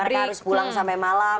mereka harus pulang sampai malam